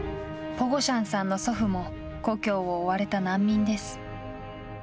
ポゴシャンさんの祖父も、故郷を追われた難民です。